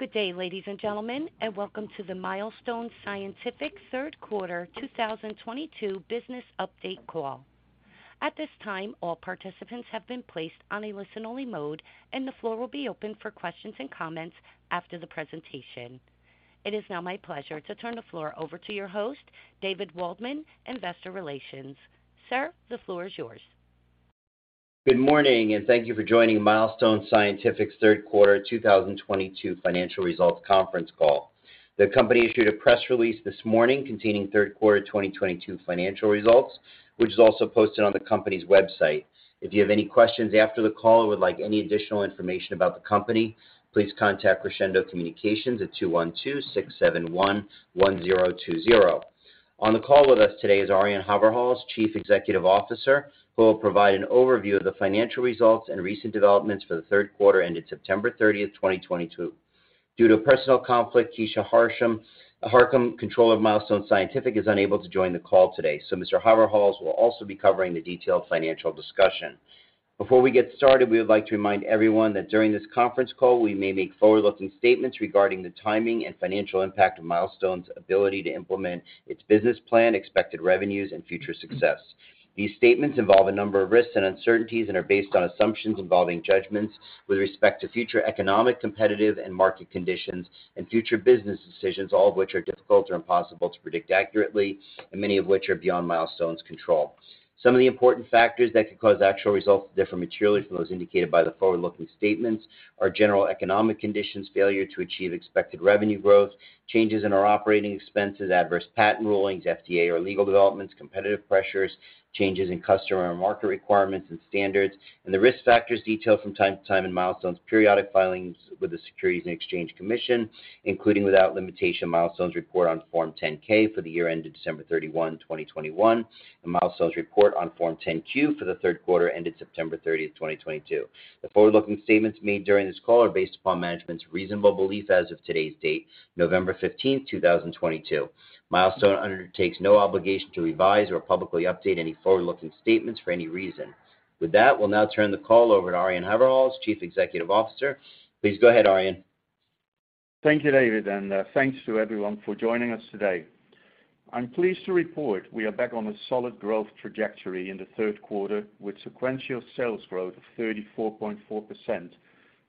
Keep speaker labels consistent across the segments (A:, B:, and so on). A: Good day, ladies and gentlemen, and welcome to the Milestone Scientific third quarter 2022 business update call. At this time, all participants have been placed on a listen-only mode, and the floor will be open for questions and comments after the presentation. It is now my pleasure to turn the floor over to your host, David Waldman, Investor Relations. Sir, the floor is yours.
B: Good morning, and thank you for joining Milestone Scientific's third quarter 2022 financial results conference call. The company issued a press release this morning containing third quarter 2022 financial results, which is also posted on the company's website. If you have any questions after the call or would like any additional information about the company, please contact Crescendo Communications at 212-671-1020. On the call with us today is Arjan Haverhals, Chief Executive Officer, who will provide an overview of the financial results and recent developments for the third quarter ended September 30, 2022. Due to a personal conflict, Keisha Harcum, Controller of Milestone Scientific, is unable to join the call today, so Mr. Haverhals will also be covering the detailed financial discussion. Before we get started, we would like to remind everyone that during this conference call, we may make forward-looking statements regarding the timing and financial impact of Milestone's ability to implement its business plan, expected revenues, and future success. These statements involve a number of risks and uncertainties and are based on assumptions involving judgments with respect to future economic, competitive, and market conditions and future business decisions, all of which are difficult or impossible to predict accurately and many of which are beyond Milestone's control. Some of the important factors that could cause actual results to differ materially from those indicated by the forward-looking statements are general economic conditions, failure to achieve expected revenue growth, changes in our operating expenses, adverse patent rulings, FDA or legal developments, competitive pressures, changes in customer and market requirements and standards, and the risk factors detailed from time to time in Milestone's periodic filings with the Securities and Exchange Commission, including without limitation, Milestone's report on Form 10-K for the year ended December 31, 2021, and Milestone's report on Form 10-Q for the third quarter ended September 30, 2022. The forward-looking statements made during this call are based upon management's reasonable belief as of today's date, November 15, 2022. Milestone undertakes no obligation to revise or publicly update any forward-looking statements for any reason. With that, we'll now turn the call over to Arjan Haverhals, Chief Executive Officer. Please go ahead, Arjan.
C: Thank you, David, and thanks to everyone for joining us today. I'm pleased to report we are back on a solid growth trajectory in the third quarter with sequential sales growth of 34.4%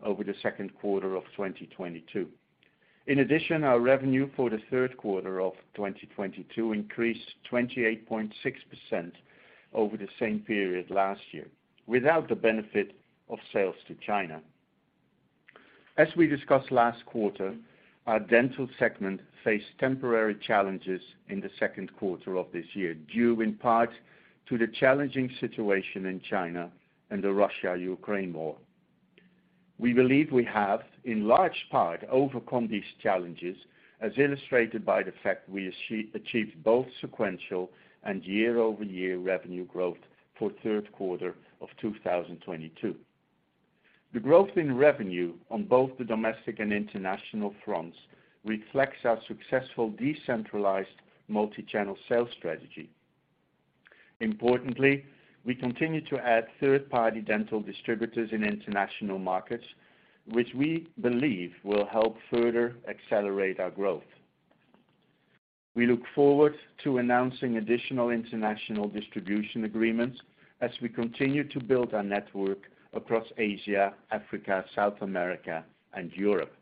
C: over the second quarter of 2022. In addition, our revenue for the third quarter of 2022 increased 28.6% over the same period last year without the benefit of sales to China. As we discussed last quarter, our dental segment faced temporary challenges in the second quarter of this year, due in part to the challenging situation in China and the Russia-Ukraine war. We believe we have, in large part, overcome these challenges, as illustrated by the fact we achieved both sequential and year-over-year revenue growth for third quarter of 2022. The growth in revenue on both the domestic and international fronts reflects our successful decentralized multi-channel sales strategy. Importantly, we continue to add third-party dental distributors in international markets, which we believe will help further accelerate our growth. We look forward to announcing additional international distribution agreements as we continue to build our network across Asia, Africa, South America, and Europe.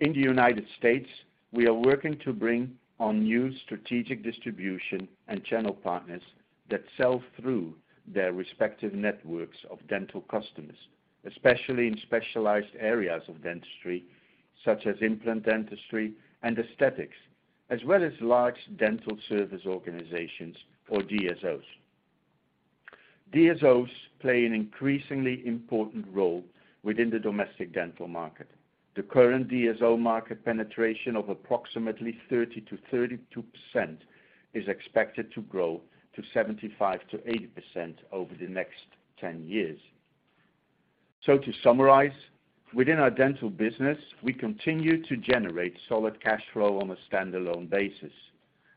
C: In the United States, we are working to bring on new strategic distribution and channel partners that sell through their respective networks of dental customers, especially in specialized areas of dentistry such as implant dentistry and aesthetics, as well as large dental service organizations or DSOs. DSOs play an increasingly important role within the domestic dental market. The current DSO market penetration of approximately 30%-32% is expected to grow to 75%-80% over the next 10 years. To summarize, within our dental business, we continue to generate solid cash flow on a standalone basis.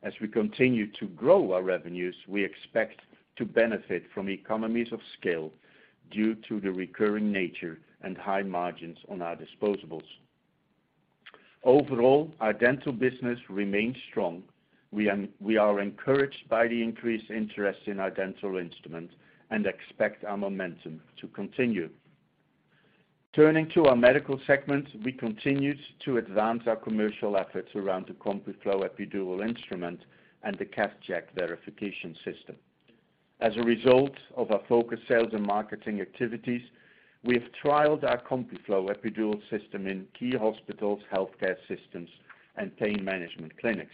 C: As we continue to grow our revenues, we expect to benefit from economies of scale due to the recurring nature and high margins on our disposables. Overall, our dental business remains strong. We are encouraged by the increased interest in our dental instruments and expect our momentum to continue. Turning to our medical segment, we continued to advance our commercial efforts around the CompuFlo epidural instrument and the CathCheck verification system. As a result of our focused sales and marketing activities, we have trialed our CompuFlo Epidural System in key hospitals, healthcare systems, and pain management clinics.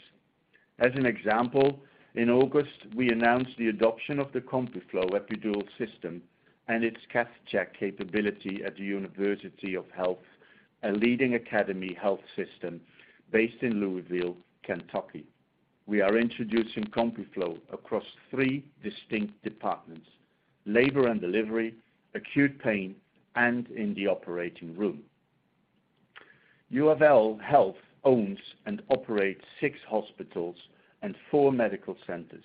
C: As an example, in August, we announced the adoption of the CompuFlo Epidural System and its CathCheck capability at UofL Health, a leading academic health system based in Louisville, Kentucky. We are introducing CompuFlo across three distinct departments: labor and delivery, acute pain, and in the operating room. UofL Health owns and operates six hospitals and four medical centers,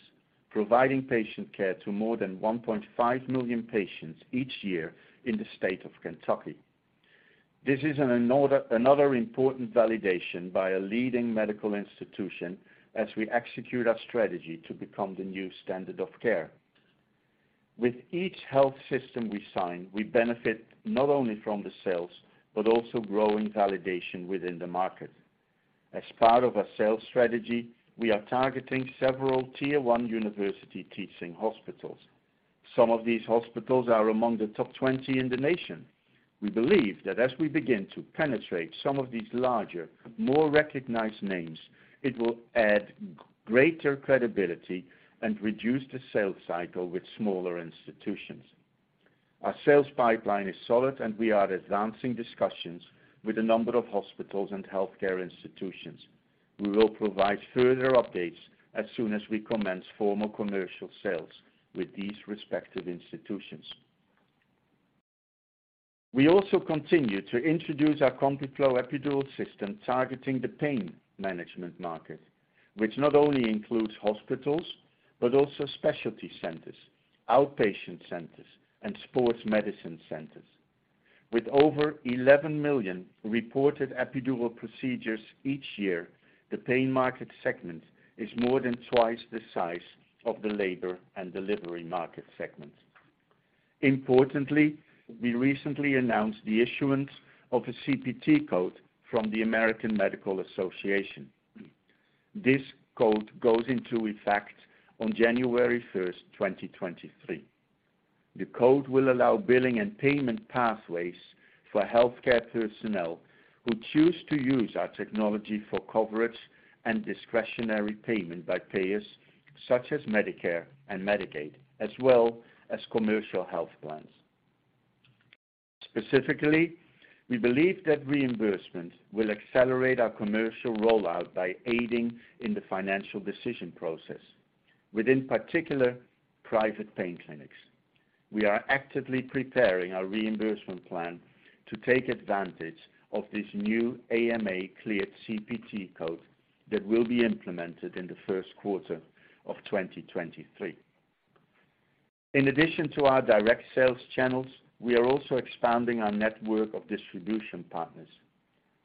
C: providing patient care to more than 1.5 million patients each year in the state of Kentucky. This is another important validation by a leading medical institution as we execute our strategy to become the new standard of care. With each health system we sign, we benefit not only from the sales, but also growing validation within the market. As part of our sales strategy, we are targeting several tier one university teaching hospitals. Some of these hospitals are among the top 20 in the nation. We believe that as we begin to penetrate some of these larger, more recognized names, it will add greater credibility and reduce the sales cycle with smaller institutions. Our sales pipeline is solid, and we are advancing discussions with a number of hospitals and healthcare institutions. We will provide further updates as soon as we commence formal commercial sales with these respective institutions. We also continue to introduce our CompuFlo Epidural System targeting the pain management market, which not only includes hospitals, but also specialty centers, outpatient centers, and sports medicine centers. With over 11 million reported epidural procedures each year, the pain market segment is more than twice the size of the labor and delivery market segment. Importantly, we recently announced the issuance of a CPT code from the American Medical Association. This code goes into effect on January 1, 2023. The code will allow billing and payment pathways for healthcare personnel who choose to use our technology for coverage and discretionary payment by payers such as Medicare and Medicaid, as well as commercial health plans. Specifically, we believe that reimbursement will accelerate our commercial rollout by aiding in the financial decision process, in particular, private pain clinics. We are actively preparing our reimbursement plan to take advantage of this new AMA-cleared CPT code that will be implemented in the first quarter of 2023. In addition to our direct sales channels, we are also expanding our network of distribution partners.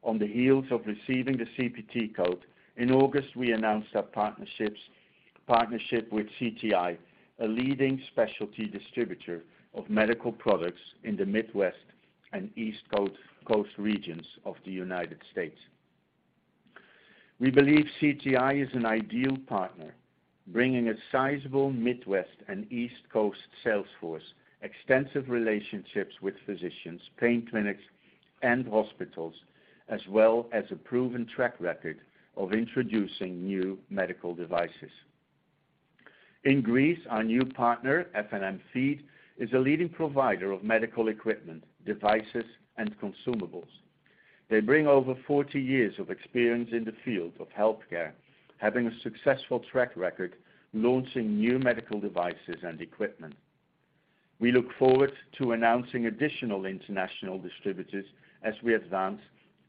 C: On the heels of receiving the CPT code, in August, we announced our partnership with CTI, a leading specialty distributor of medical products in the Midwest and East Coast regions of the United States. We believe CTI is an ideal partner, bringing a sizable Midwest and East Coast sales force, extensive relationships with physicians, pain clinics, and hospitals, as well as a proven track record of introducing new medical devices. In Greece, our new partner, F&M Feed, is a leading provider of medical equipment, devices, and consumables. They bring over 40 years of experience in the field of healthcare, having a successful track record launching new medical devices and equipment. We look forward to announcing additional international distributors as we advance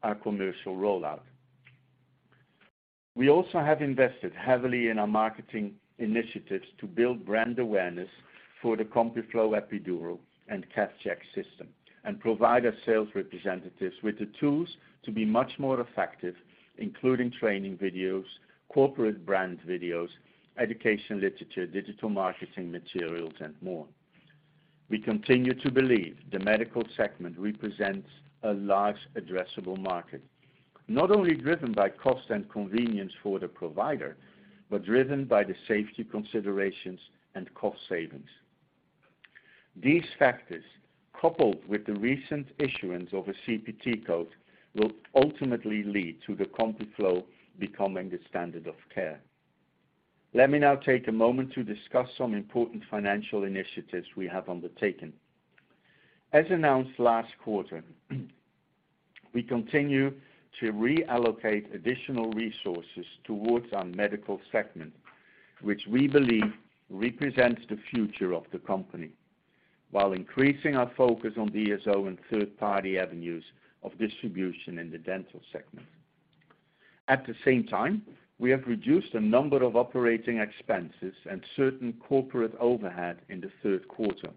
C: our commercial rollout. We also have invested heavily in our marketing initiatives to build brand awareness for the CompuFlo Epidural and CathCheck system and provide our sales representatives with the tools to be much more effective, including training videos, corporate brand videos, education literature, digital marketing materials, and more. We continue to believe the medical segment represents a large addressable market, not only driven by cost and convenience for the provider, but driven by the safety considerations and cost savings. These factors, coupled with the recent issuance of a CPT code, will ultimately lead to the CompuFlo becoming the standard of care. Let me now take a moment to discuss some important financial initiatives we have undertaken. As announced last quarter, we continue to reallocate additional resources towards our medical segment, which we believe represents the future of the company while increasing our focus on DSO and third-party avenues of distribution in the dental segment. At the same time, we have reduced a number of operating expenses and certain corporate overhead in the third quarter,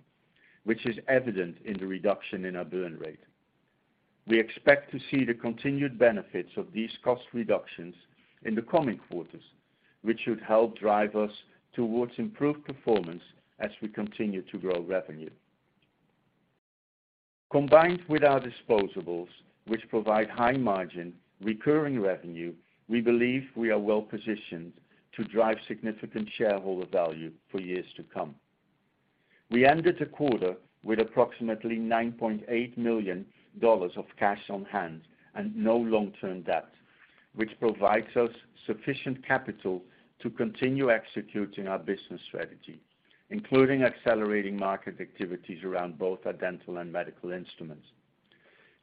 C: which is evident in the reduction in our burn rate. We expect to see the continued benefits of these cost reductions in the coming quarters, which should help drive us towards improved performance as we continue to grow revenue. Combined with our disposables, which provide high margin, recurring revenue, we believe we are well-positioned to drive significant shareholder value for years to come. We ended the quarter with approximately $9.8 million of cash on hand and no long-term debt, which provides us sufficient capital to continue executing our business strategy, including accelerating market activities around both our dental and medical instruments.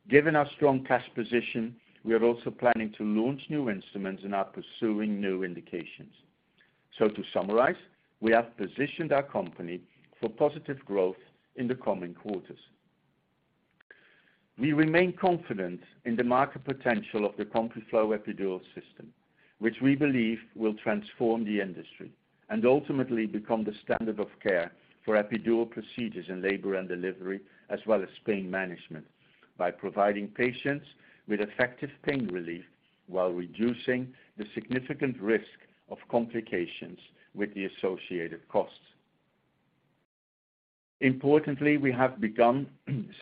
C: Given our strong cash position, we are also planning to launch new instruments and are pursuing new indications. To summarize, we have positioned our company for positive growth in the coming quarters. We remain confident in the market potential of the CompuFlo Epidural System, which we believe will transform the industry and ultimately become the standard of care for epidural procedures in labor and delivery, as well as pain management by providing patients with effective pain relief while reducing the significant risk of complications with the associated costs. Importantly, we have begun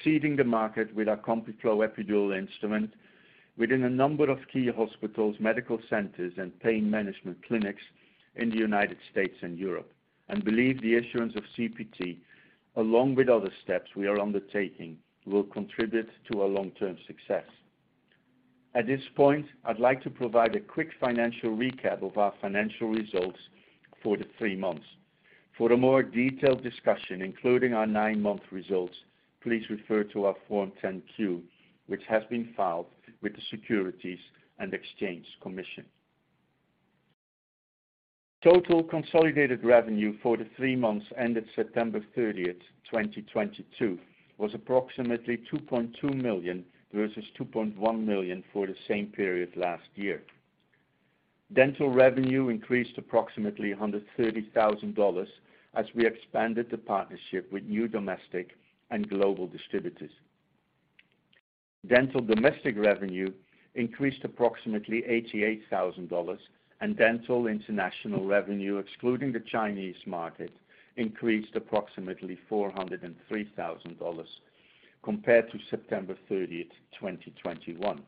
C: seeding the market with our CompuFlo epidural instrument within a number of key hospitals, medical centers, and pain management clinics in the United States and Europe, and believe the issuance of CPT along with other steps we are undertaking will contribute to our long-term success. At this point, I'd like to provide a quick financial recap of our financial results for the three months. For a more detailed discussion, including our nine-month results, please refer to our Form 10-Q, which has been filed with the Securities and Exchange Commission. Total consolidated revenue for the three months ended September 30, 2022 was approximately $2.2 million versus $2.1 million for the same period last year. Dental revenue increased approximately $130,000 as we expanded the partnership with new domestic and global distributors. Dental domestic revenue increased approximately $88,000 and dental international revenue, excluding the Chinese market, increased approximately $403,000 compared to September 30, 2021.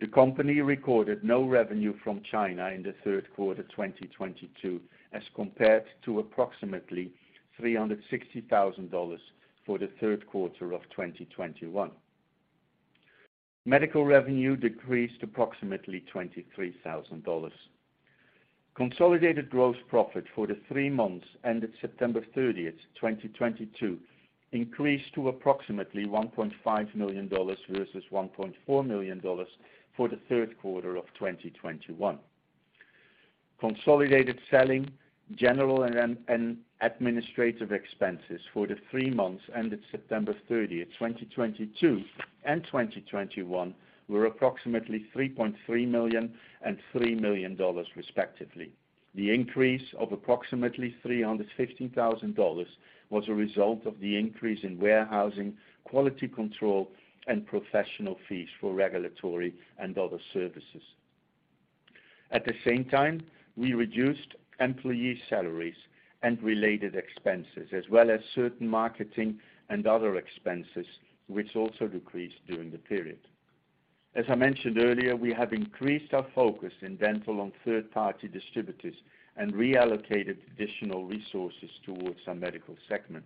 C: The company recorded no revenue from China in the third quarter, 2022, as compared to approximately $360,000 for the third quarter of 2021. Medical revenue decreased approximately $23,000. Consolidated gross profit for the three months ended September 30, 2022 increased to approximately $1.5 million versus $1.4 million for the third quarter of 2021. Consolidated selling, general, and administrative expenses for the three months ended September 30, 2022 and 2021 were approximately $3.3 million and $3 million, respectively. The increase of approximately $315,000 was a result of the increase in warehousing, quality control, and professional fees for regulatory and other services. At the same time, we reduced employee salaries and related expenses as well as certain marketing and other expenses, which also decreased during the period. As I mentioned earlier, we have increased our focus in dental on third-party distributors and reallocated additional resources towards our medical segment.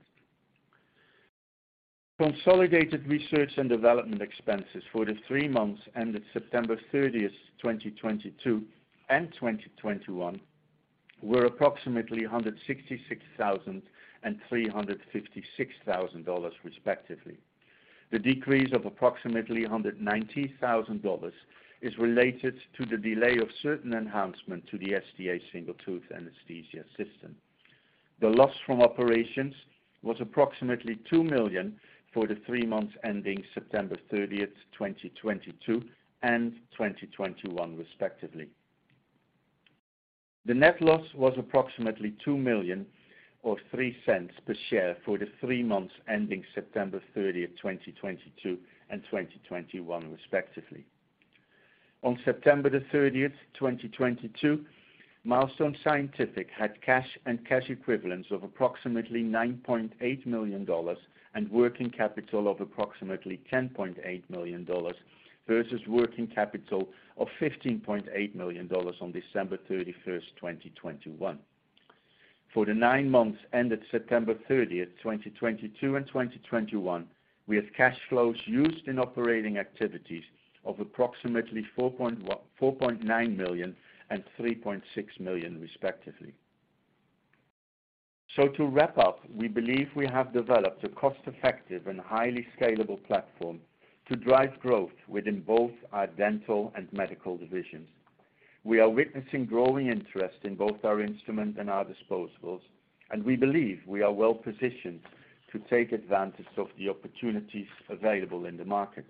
C: Consolidated research and development expenses for the three months ended September 30, 2022 and 2021 were approximately $166,000 and $356,000, respectively. The decrease of approximately $190,000 is related to the delay of certain enhancement to the STA, Single Tooth Anesthesia system. The loss from operations was approximately $2 million for the three months ending September 30, 2022 and 2021, respectively. The net loss was approximately $2 million or $0.03 per share for the three months ending September 30, 2022 and 2021, respectively. On September 30, 2022, Milestone Scientific had cash and cash equivalents of approximately $9.8 million and working capital of approximately $10.8 million versus working capital of $15.8 million on December 31, 2021. For the nine months ended September 30, 2022 and 2021, we had cash flows used in operating activities of approximately $4.9 million and $3.6 million, respectively. To wrap up, we believe we have developed a cost-effective and highly scalable platform to drive growth within both our dental and medical divisions. We are witnessing growing interest in both our instrument and our disposables, and we believe we are well-positioned to take advantage of the opportunities available in the market.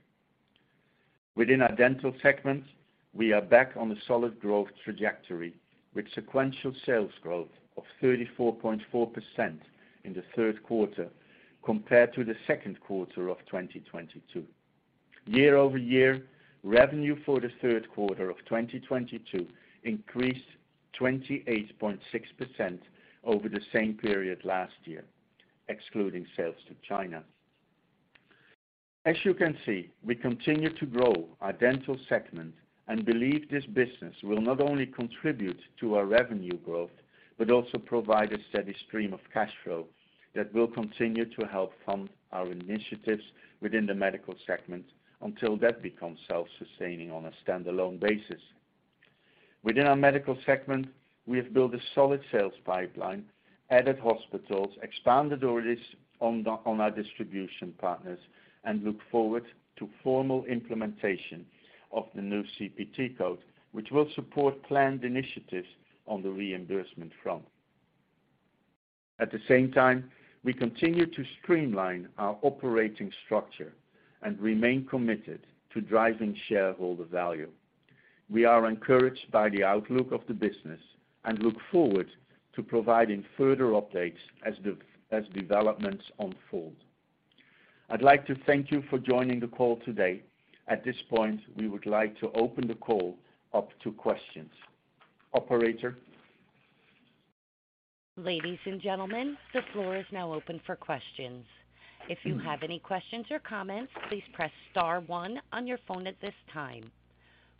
C: Within our dental segment, we are back on a solid growth trajectory with sequential sales growth of 34.4% in the third quarter compared to the second quarter of 2022. Year over year, revenue for the third quarter of 2022 increased 28.6% over the same period last year, excluding sales to China. As you can see, we continue to grow our dental segment and believe this business will not only contribute to our revenue growth but also provide a steady stream of cash flow that will continue to help fund our initiatives within the medical segment until that becomes self-sustaining on a standalone basis. Within our medical segment, we have built a solid sales pipeline, added hospitals, expanded our list on our distribution partners, and look forward to formal implementation of the new CPT code, which will support planned initiatives on the reimbursement front. At the same time, we continue to streamline our operating structure and remain committed to driving shareholder value. We are encouraged by the outlook of the business and look forward to providing further updates as developments unfold. I'd like to thank you for joining the call today. At this point, we would like to open the call up to questions. Operator?
A: Ladies and gentlemen, the floor is now open for questions. If you have any questions or comments, please press star one on your phone at this time.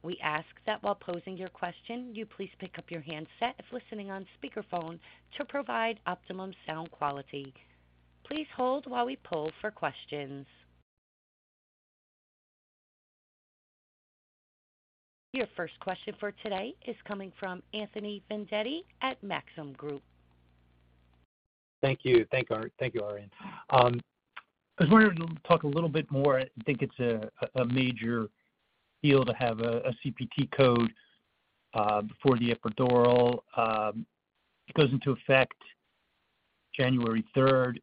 A: We ask that while posing your question, you please pick up your handset if listening on speakerphone to provide optimum sound quality. Please hold while we poll for questions. Your first question for today is coming from Anthony Vendetti at Maxim Group.
D: Thank you. Thank you, Arjan. I was wondering if you could talk a little bit more. I think it's a major deal to have a CPT code for the epidural. It goes into effect January third,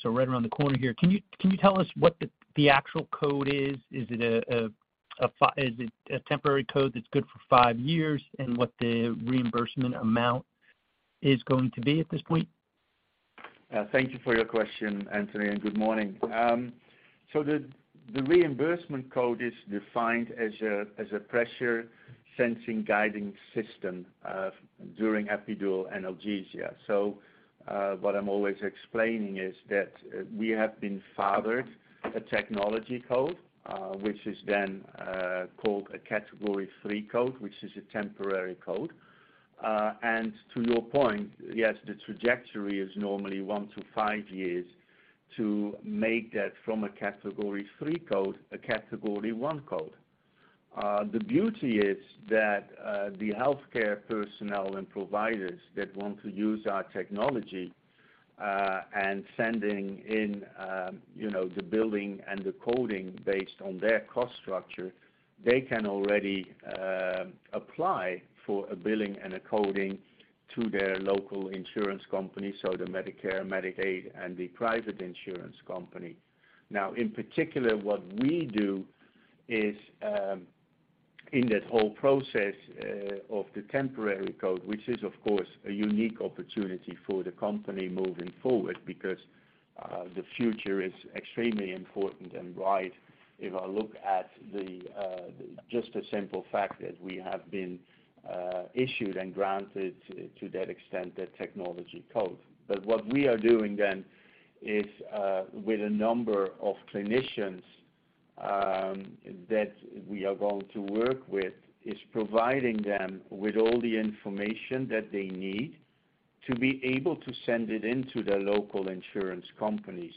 D: so right around the corner here. Can you tell us what the actual code is? Is it a temporary code that's good for five years? What the reimbursement amount is going to be at this point?
C: Thank you for your question, Anthony, and good morning. The reimbursement code is defined as a pressure-sensing guidance system during epidural analgesia. What I'm always explaining is that we have been awarded a technology code, which is then called a Category III code, which is a temporary code. To your point, yes, the trajectory is normally one to five years to make that from a Category III code, a Category I code. The beauty is that the healthcare personnel and providers that want to use our technology and sending in you know the billing and the coding based on their cost structure, they can already apply for a billing and a coding to their local insurance company, so the Medicare, Medicaid, and the private insurance company. Now, in particular, what we do is, in that whole process, of the temporary code, which is, of course, a unique opportunity for the company moving forward because, the future is extremely important and bright. If I look at the, just the simple fact that we have been, issued and granted to that extent, that technology code. What we are doing then is, with a number of clinicians, that we are going to work with, is providing them with all the information that they need to be able to send it into their local insurance company.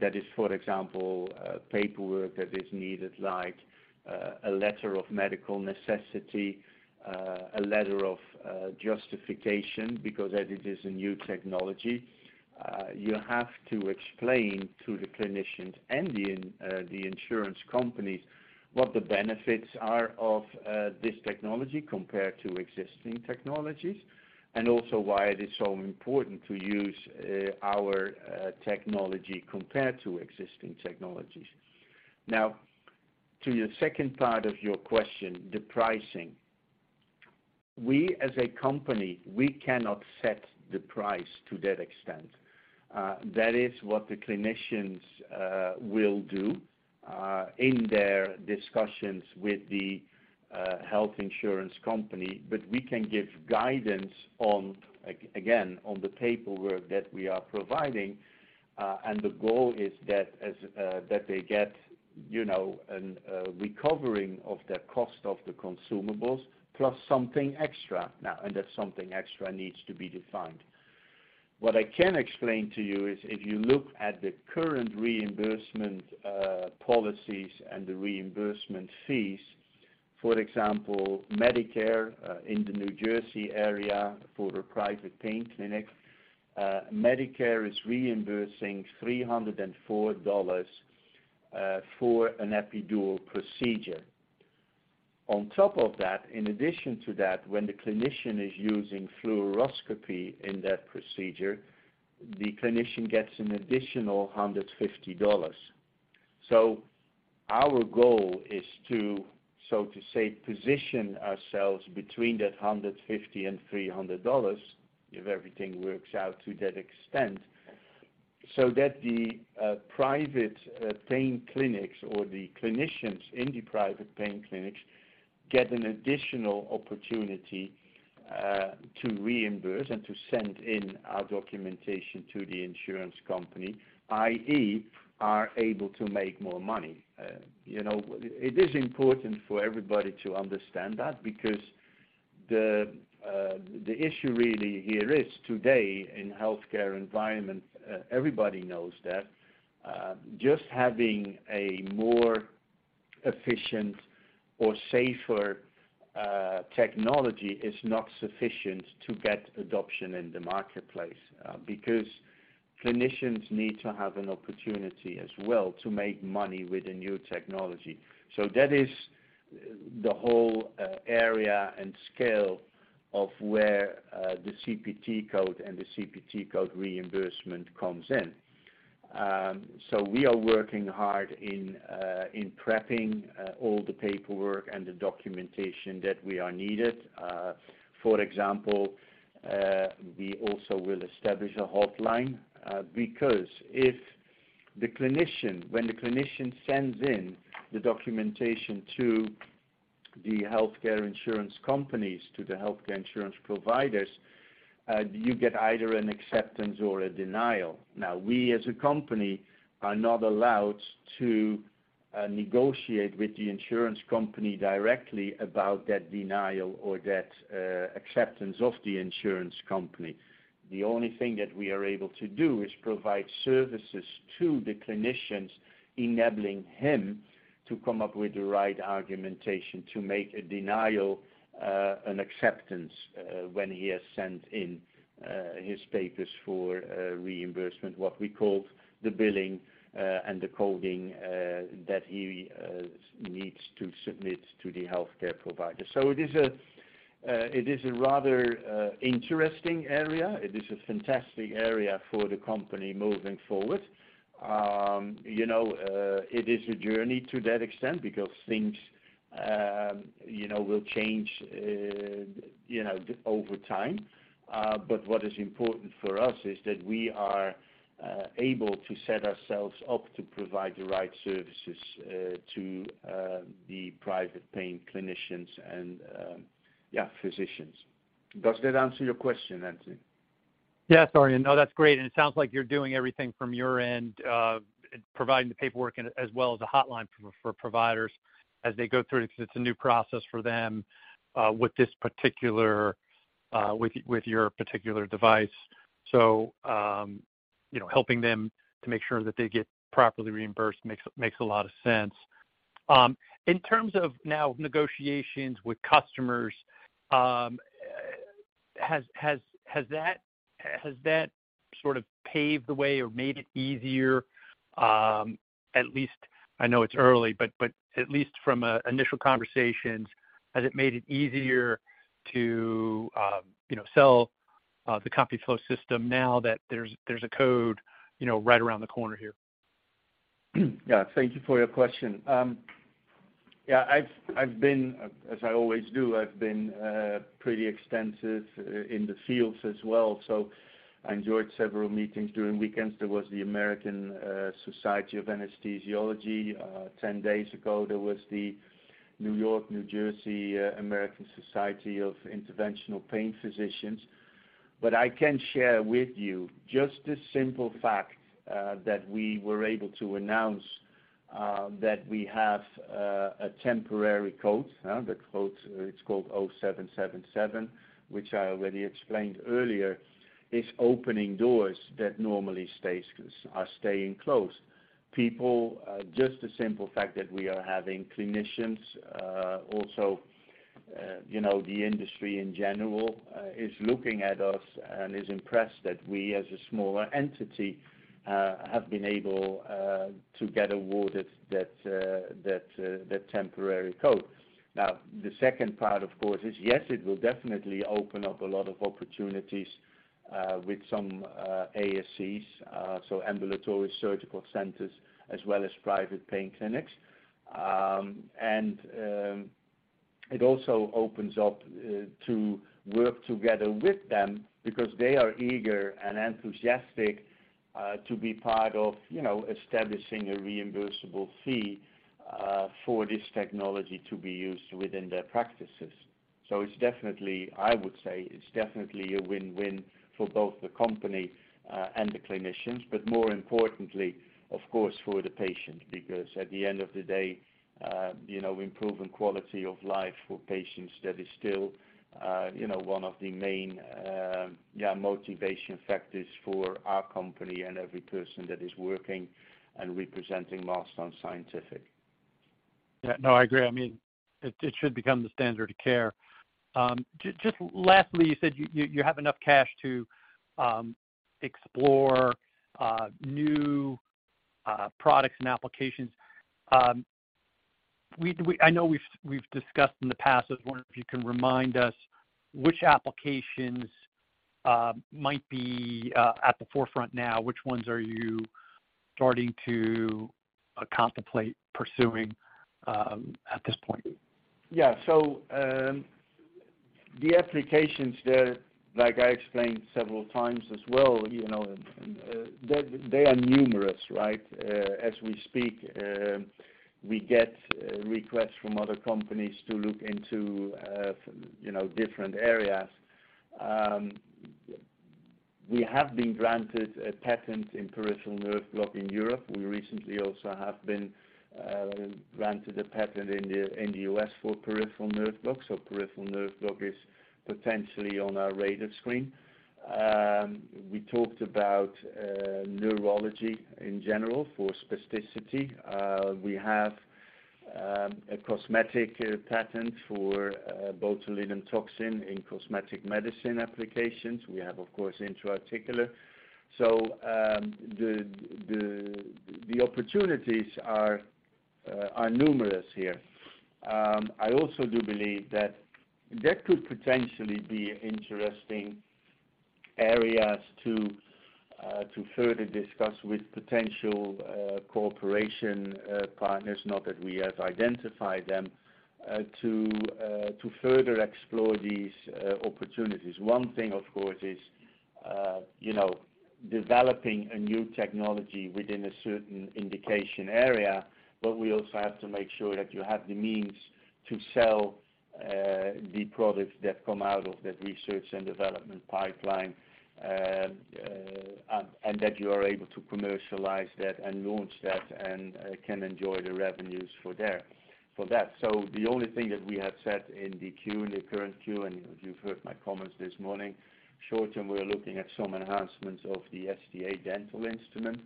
C: That is, for example, paperwork that is needed, like, a letter of medical necessity, a letter of justification, because as it is a new technology, you have to explain to the clinicians and the insurance companies what the benefits are of this technology compared to existing technologies, and also why it is so important to use our technology compared to existing technologies. Now, to your second part of your question, the pricing. We, as a company, we cannot set the price to that extent. That is what the clinicians will do in their discussions with the health insurance company. But we can give guidance on again, on the paperwork that we are providing. The goal is that they get, you know, a recovering of that cost of the consumables plus something extra. Now, that something extra needs to be defined. What I can explain to you is if you look at the current reimbursement policies and the reimbursement fees, for example, Medicare in the New Jersey area for a private pain clinic, Medicare is reimbursing $304 for an epidural procedure. On top of that, in addition to that, when the clinician is using fluoroscopy in that procedure, the clinician gets an additional $150. Our goal is to, so to say, position ourselves between that $150-$300, if everything works out to that extent, so that the private pain clinics or the clinicians in the private pain clinics get an additional opportunity to reimburse and to send in our documentation to the insurance company, i.e. are able to make more money. You know, it is important for everybody to understand that because the issue really here is today in healthcare environment, everybody knows that just having a more efficient or safer technology is not sufficient to get adoption in the marketplace. Because clinicians need to have an opportunity as well to make money with the new technology. That is the whole area and scale of where the CPT code and the CPT code reimbursement comes in. We are working hard in prepping all the paperwork and the documentation that we are needed. For example, we also will establish a hotline because when the clinician sends in the documentation to the healthcare insurance companies, to the healthcare insurance providers, you get either an acceptance or a denial. Now, we as a company, are not allowed to negotiate with the insurance company directly about that denial or that acceptance of the insurance company. The only thing that we are able to do is provide services to the clinicians, enabling him to come up with the right argumentation to make a denial, an acceptance, when he has sent in his papers for reimbursement, what we call the billing and the coding that he needs to submit to the healthcare provider. It is a rather interesting area. It is a fantastic area for the company moving forward. You know, it is a journey to that extent because things you know will change you know over time. What is important for us is that we are able to set ourselves up to provide the right services to the private paying clinicians and physicians. Does that answer your question, Anthony?
D: Yes. Sorry. No, that's great. It sounds like you're doing everything from your end, providing the paperwork and as well as a hotline for providers as they go through it, 'cause it's a new process for them, with your particular device. You know, helping them to make sure that they get properly reimbursed makes a lot of sense. In terms of now negotiations with customers, has that sort of paved the way or made it easier? At least I know it's early, but at least from an initial conversations, has it made it easier to, you know, sell the CompuFlo system now that there's a code, you know, right around the corner here?
C: Yeah. Thank you for your question. I've been, as I always do, I've been pretty extensive in the fields as well. I enjoyed several meetings during weekends. There was the American Society of Anesthesiologists 10 days ago. There was the New York, New Jersey American Society of Interventional Pain Physicians. I can share with you just the simple fact that we were able to announce that we have a temporary code, the code, it's called 0777T, which I already explained earlier, is opening doors that normally are staying closed. People, just the simple fact that we are having clinicians, also, you know, the industry in general, is looking at us and is impressed that we, as a smaller entity, have been able to get awarded that temporary code. Now, the second part, of course, is, yes, it will definitely open up a lot of opportunities, with some, ASCs, so ambulatory surgical centers as well as private pain clinics. And it also opens up to work together with them because they are eager and enthusiastic to be part of, you know, establishing a reimbursable fee for this technology to be used within their practices. It's definitely, I would say, it's definitely a win-win for both the company and the clinicians, but more importantly, of course, for the patient, because at the end of the day, you know, improving quality of life for patients, that is still, you know, one of the main, yeah, motivation factors for our company and every person that is working and representing Milestone Scientific.
D: Yeah. No, I agree. I mean, it should become the standard of care. Just lastly, you said you have enough cash to explore new products and applications. I know we've discussed in the past. I was wondering if you can remind us which applications might be at the forefront now. Which ones are you starting to contemplate pursuing at this point?
C: Yeah. The applications there, like I explained several times as well, you know, they are numerous, right? As we speak, we get requests from other companies to look into, you know, different areas. We have been granted a patent in peripheral nerve block in Europe. We recently also have been granted a patent in the U.S. for peripheral nerve block. Peripheral nerve block is potentially on our radar screen. We talked about neurology in general for spasticity. We have a cosmetic patent for botulinum toxin in cosmetic medicine applications. We have, of course, intra-articular. The opportunities are numerous here. I also do believe that could potentially be interesting areas to further discuss with potential cooperation partners, not that we have identified them, to further explore these opportunities. One thing, of course, is you know, developing a new technology within a certain indication area, but we also have to make sure that you have the means to sell the products that come out of that research and development pipeline, and that you are able to commercialize that and launch that and can enjoy the revenues for that. The only thing that we have said in the 10-Q, in the current 10-Q, and you've heard my comments this morning, short term, we're looking at some enhancements of the STA dental instrument.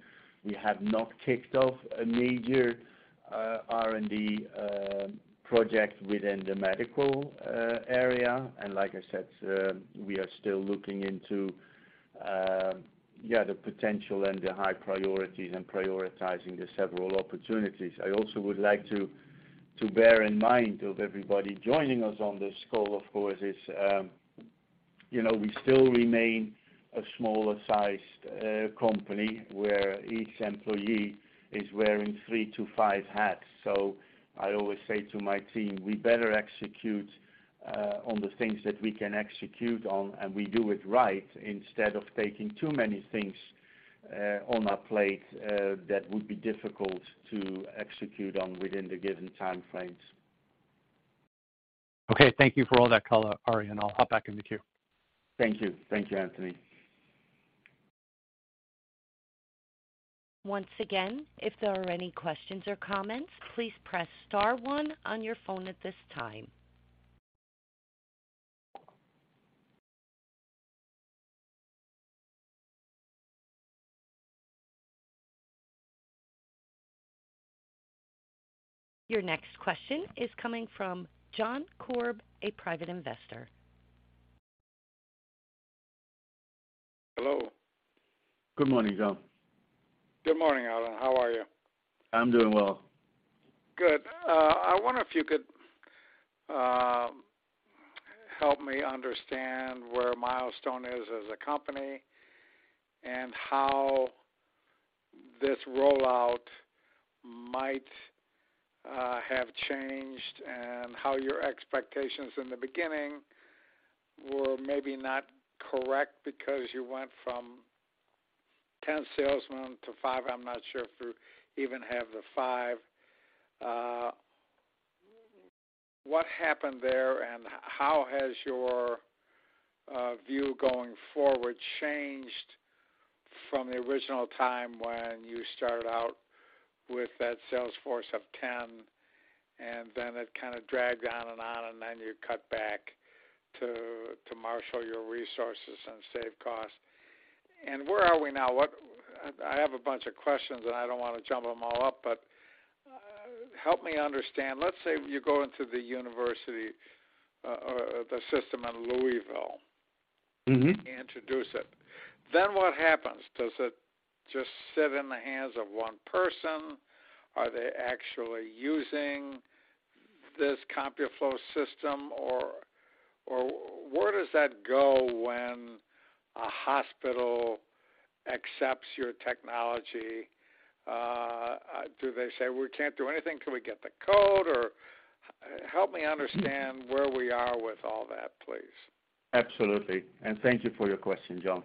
C: We have not kicked off a major R&D project within the medical area. Like I said, we are still looking into the potential and the high priorities and prioritizing the several opportunities. I also would like to bear in mind of everybody joining us on this call, of course, is we still remain a smaller-sized company where each employee is wearing three to five hats. I always say to my team, "We better execute on the things that we can execute on, and we do it right instead of taking too many things on our plate that would be difficult to execute on within the given time frames.
D: Okay. Thank you for all that, Arjan. I'll hop back in the queue.
C: Thank you. Thank you, Anthony.
A: Once again, if there are any questions or comments, please press star one on your phone at this time. Your next question is coming from John Korb, a private investor.
E: Hello.
C: Good morning, John.
E: Good morning, Arjan. How are you?
C: I'm doing well.
E: Good. I wonder if you could help me understand where Milestone is as a company and how this rollout might have changed and how your expectations in the beginning were maybe not correct because you went from 10 salesmen to five. I'm not sure if you even have the five. What happened there, and how has your view going forward changed from the original time when you started out with that sales force of 10 and then it kind of dragged on and on, and then you cut back to marshal your resources and save costs. Where are we now? I have a bunch of questions, and I don't want to jump them all up, but help me understand. Let's say you go into the university, the system in Louisville.
C: Mm-hmm.
E: Introduce it. Then what happens? Does it just sit in the hands of one person? Are they actually using this CompuFlo system? Or where does that go when a hospital accepts your technology? Do they say, "We can't do anything till we get the code?" Or help me understand where we are with all that, please.
C: Absolutely. Thank you for your question, John.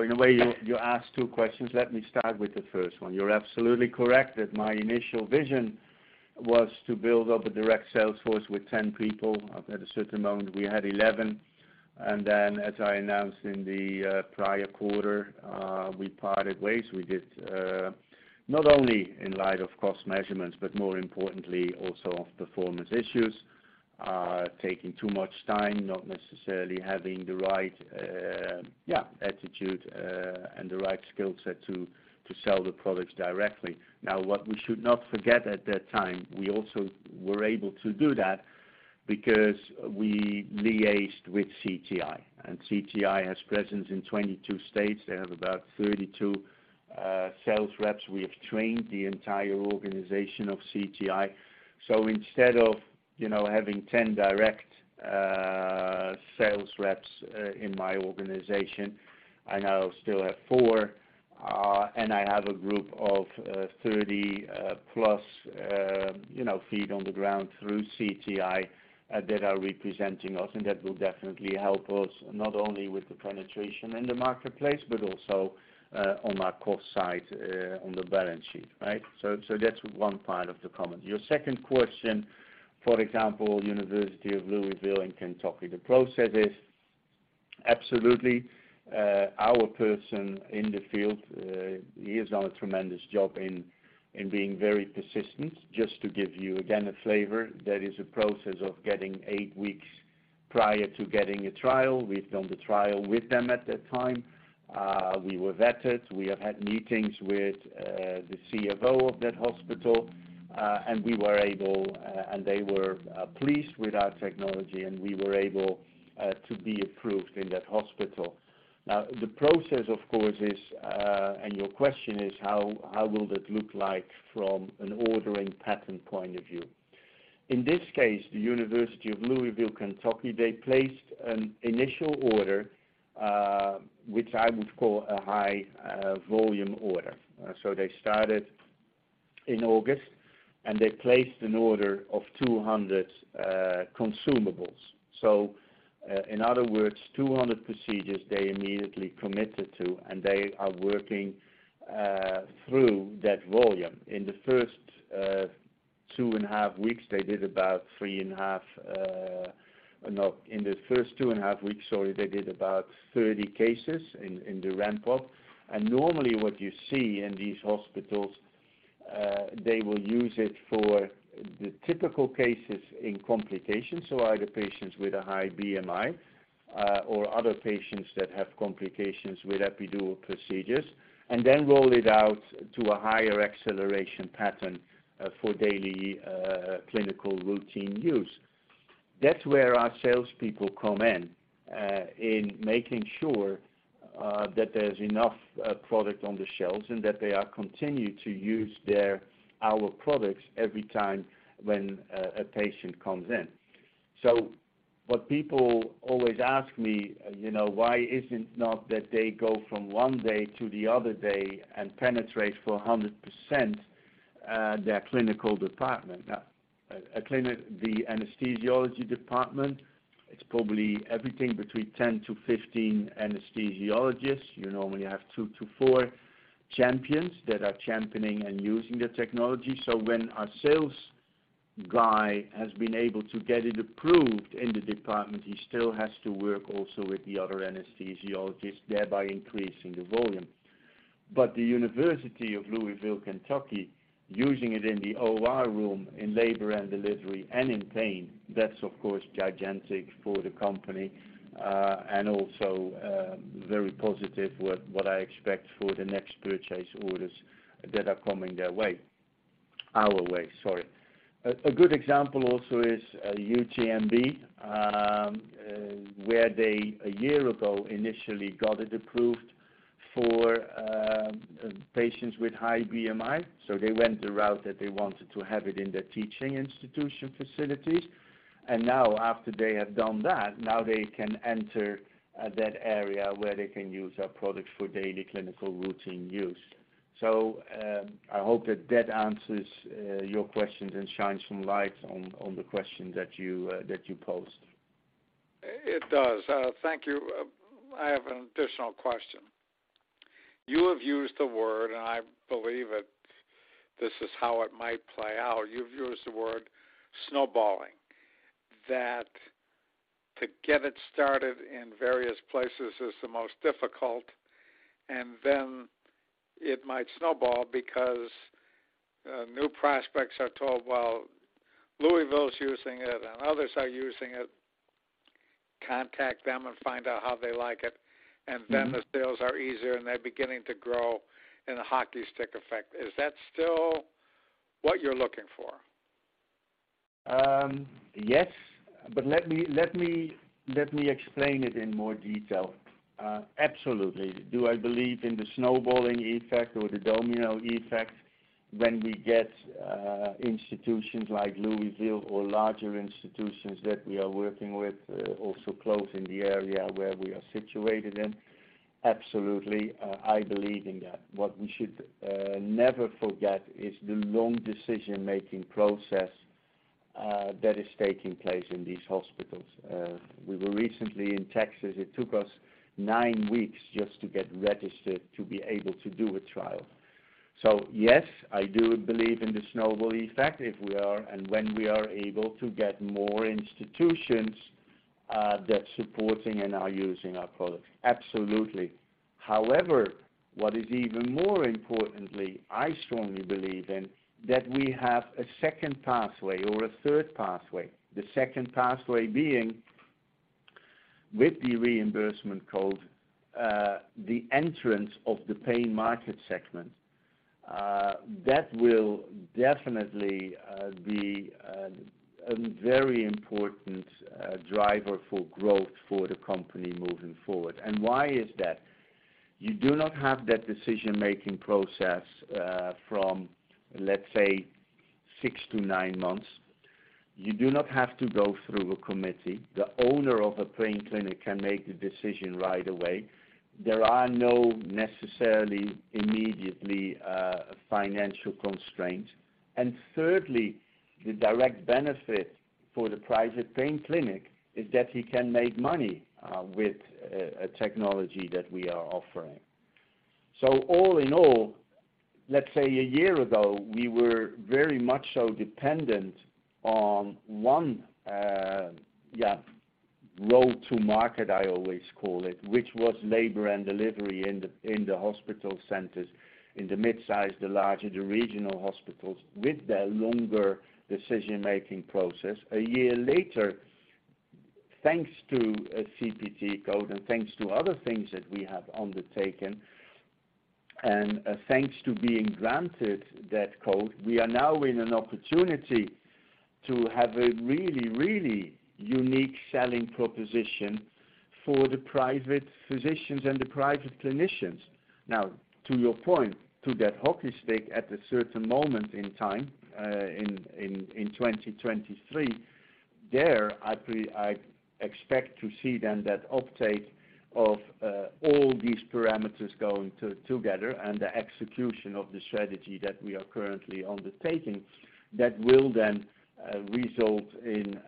C: In a way, you asked two questions. Let me start with the first one. You're absolutely correct that my initial vision was to build up a direct sales force with 10 people. At a certain moment, we had 11. As I announced in the prior quarter, we parted ways. We did not only in light of cost measurements, but more importantly, also of performance issues, taking too much time, not necessarily having the right attitude, and the right skill set to sell the products directly. Now, what we should not forget at that time, we also were able to do that because we liaised with CTI, and CTI has presence in 22 states. They have about 32 sales reps. We have trained the entire organization of CTI. Instead of, you know, having 10 direct sales reps in my organization, I now still have four, and I have a group of 30+, you know, feet on the ground through CTI that are representing us, and that will definitely help us not only with the penetration in the marketplace, but also on our cost side on the balance sheet, right? That's one part of the comment. Your second question, for example, University of Louisville in Kentucky, the process is absolutely our person in the field. He has done a tremendous job in being very persistent. Just to give you, again, a flavor, that is a process of taking eight weeks prior to getting a trial. We've done the trial with them at that time. We were vetted. We have had meetings with the CFO of that hospital, and they were pleased with our technology, and we were able to be approved in that hospital. Now, the process, of course, is, and your question is, how will that look like from an ordering pattern point of view? In this case, the University of Louisville, Kentucky, they placed an initial order, which I would call a high volume order. They started in August, and they placed an order of 200 consumables. In other words, 200 procedures they immediately committed to, and they are working through that volume. In the first 2.5 weeks, sorry, they did about 30 cases in the ramp-up. Normally, what you see in these hospitals, they will use it for the typical cases with complications, so either patients with a high BMI, or other patients that have complications with epidural procedures. Then roll it out to a higher acceleration pattern, for daily clinical routine use. That's where our salespeople come in making sure, that there's enough product on the shelves and that they are continued to use their, our products every time when a patient comes in. What people always ask me, you know, why is it not that they go from one day to the other day and penetrate for 100%, their clinical department? Now, a clinic, the anesthesiology department, it's probably everything between 10-15 anesthesiologists. You normally have two to four champions that are championing and using the technology. When our sales guy has been able to get it approved in the department, he still has to work also with the other anesthesiologists, thereby increasing the volume. The University of Louisville, Kentucky, using it in the OR room, in labor and delivery, and in pain, that's of course gigantic for the company and also very positive with what I expect for the next purchase orders that are coming their way. Our way, sorry. A good example also is UTMB, where they a year ago initially got it approved for patients with high BMI. They went the route that they wanted to have it in their teaching institution facilities. Now after they have done that, now they can enter that area where they can use our product for daily clinical routine use. I hope that answers your questions and shines some light on the question that you posed.
E: It does. Thank you. I have an additional question. You have used the word, and I believe it, this is how it might play out. You've used the word snowballing, that to get it started in various places is the most difficult, and then it might snowball because, new prospects are told, "Well, Louisville's using it and others are using it. Contact them and find out how they like it."
C: Mm-hmm.
E: The sales are easier, and they're beginning to grow in a hockey stick effect. Is that still what you're looking for?
C: Yes. Let me explain it in more detail. Absolutely. Do I believe in the snowballing effect or the domino effect when we get institutions like Louisville or larger institutions that we are working with also close in the area where we are situated in? Absolutely, I believe in that. What we should never forget is the long decision-making process that is taking place in these hospitals. We were recently in Texas. It took us nine weeks just to get registered to be able to do a trial. Yes, I do believe in the snowball effect if we are and when we are able to get more institutions that's supporting and are using our products. Absolutely. However, what is even more importantly, I strongly believe in that we have a second pathway or a third pathway. The second pathway being with the reimbursement code, the entrance of the paying market segment. That will definitely be a very important driver for growth for the company moving forward. Why is that? You do not have that decision-making process from, let's say, six to nine months. You do not have to go through a committee. The owner of a pain clinic can make the decision right away. There are no necessarily, immediately, financial constraints. Thirdly, the direct benefit for the private pain clinic is that he can make money with a technology that we are offering. All in all, let's say a year ago, we were very much so dependent on one road to market, I always call it, which was labor and delivery in the hospital centers, in the mid-size, the larger, the regional hospitals, with their longer decision-making process. A year later, thanks to a CPT code and thanks to other things that we have undertaken, and thanks to being granted that code, we are now in an opportunity to have a really, really unique selling proposition for the private physicians and the private clinicians. Now, to your point, to that hockey stick at a certain moment in time, in 2023, I expect to see then that uptake of all these parameters going together and the execution of the strategy that we are currently undertaking that will then result in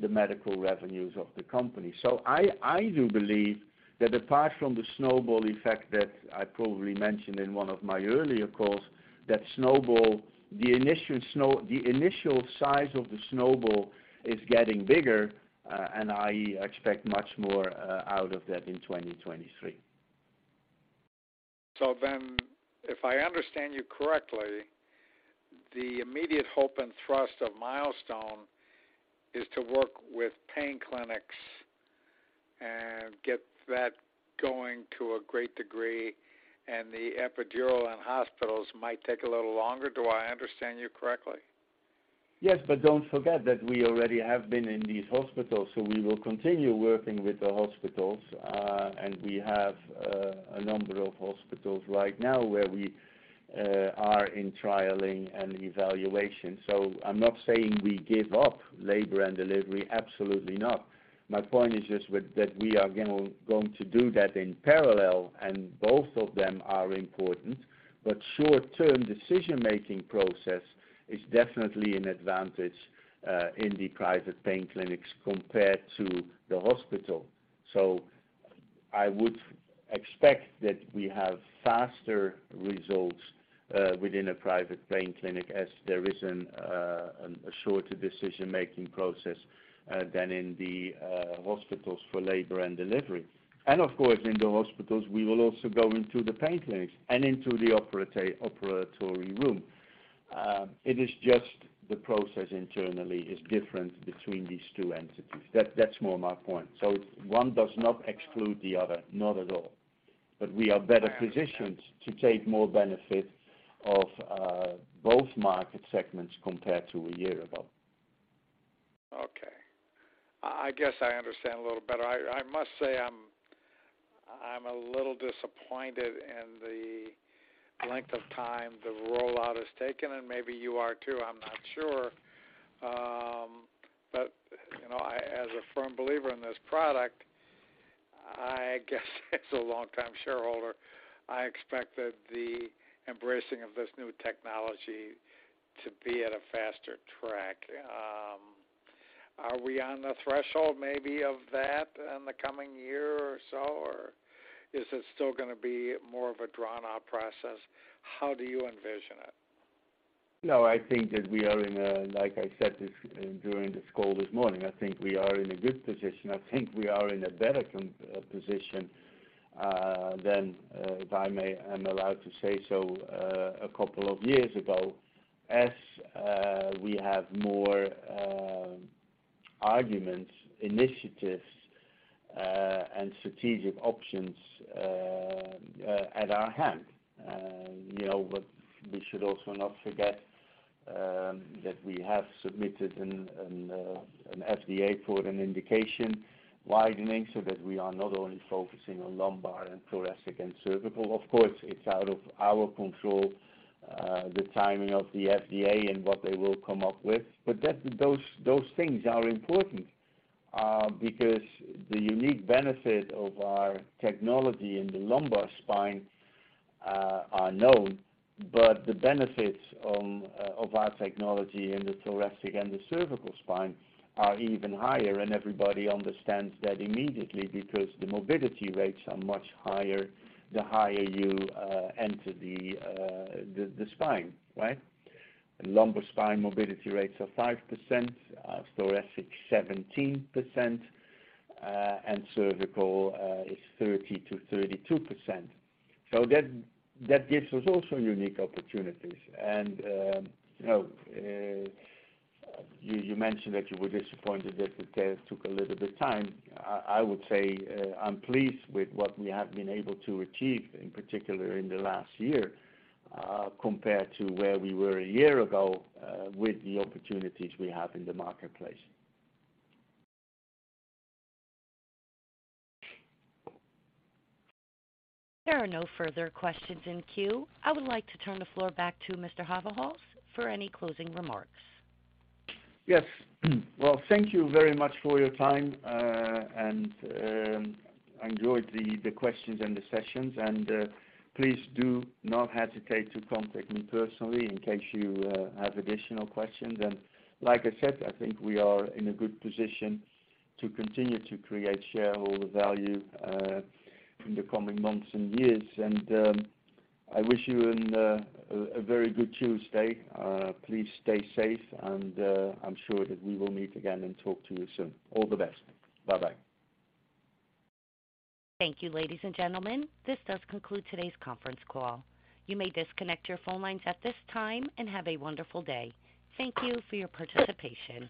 C: the medical revenues of the company. I do believe that apart from the snowball effect that I probably mentioned in one of my earlier calls, the initial size of the snowball is getting bigger, and I expect much more out of that in 2023.
E: If I understand you correctly, the immediate hope and thrust of Milestone is to work with pain clinics and get that going to a great degree, and the epidural and hospitals might take a little longer. Do I understand you correctly?
C: Yes, don't forget that we already have been in these hospitals, so we will continue working with the hospitals. We have a number of hospitals right now where we are in trialing and evaluation. I'm not saying we give up labor and delivery. Absolutely not. My point is just that we are going to do that in parallel, and both of them are important. Short-term decision-making process is definitely an advantage in the private pain clinics compared to the hospital. I would expect that we have faster results within a private pain clinic as there isn't a shorter decision-making process than in the hospitals for labor and delivery. Of course, in the hospitals, we will also go into the pain clinics and into the operating room. It is just the process internally is different between these two entities. That, that's more my point. One does not exclude the other. Not at all. We are better positioned to take more benefit of both market segments compared to a year ago.
E: Okay. I guess I understand a little better. I must say, I'm a little disappointed in the length of time the rollout has taken, and maybe you are too, I'm not sure. You know, as a firm believer in this product, I guess as a long time shareholder, I expected the embracing of this new technology to be at a faster track. Are we on the threshold maybe of that in the coming year or so? Or is it still gonna be more of a drawn-out process? How do you envision it?
C: No, I think that we are in a good position, like I said during this call this morning. I think we are in a better position than, if I may, I'm allowed to say so, a couple of years ago as we have more arguments, initiatives, and strategic options at our hand. You know, but we should also not forget that we have submitted an FDA for an indication widening so that we are not only focusing on lumbar and thoracic and cervical. Of course, it's out of our control, the timing of the FDA and what they will come up with. Those things are important because the unique benefit of our technology in the lumbar spine are known, but the benefits of our technology in the thoracic and the cervical spine are even higher. Everybody understands that immediately because the morbidity rates are much higher the higher you enter the spine, right? Lumbar spine morbidity rates are 5%, thoracic 17%, and cervical is 30%-32%. That gives us also unique opportunities. You know, you mentioned that you were disappointed that it took a little bit of time. I would say, I'm pleased with what we have been able to achieve, in particular in the last year, compared to where we were a year ago, with the opportunities we have in the marketplace.
A: There are no further questions in queue. I would like to turn the floor back to Mr. Haverhals for any closing remarks.
C: Yes. Well, thank you very much for your time. I enjoyed the questions and the sessions. Please do not hesitate to contact me personally in case you have additional questions. Like I said, I think we are in a good position to continue to create shareholder value in the coming months and years. I wish you a very good Tuesday. Please stay safe, and I'm sure that we will meet again and talk to you soon. All the best. Bye-bye.
A: Thank you, ladies and gentlemen. This does conclude today's conference call. You may disconnect your phone lines at this time, and have a wonderful day. Thank you for your participation.